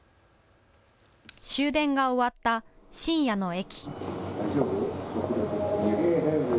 終電が終わった深夜の駅。